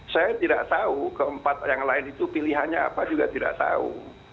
saya tidak tahu keempat yang lain itu pilihannya apa juga tidak tahu